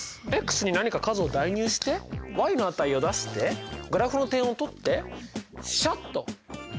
に何か数を代入しての値を出してグラフの点を取ってシャッと結んじゃえばＯＫじゃない？